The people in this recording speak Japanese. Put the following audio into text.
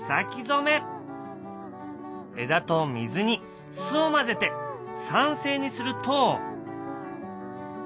枝と水に酢を混ぜて酸性にすると。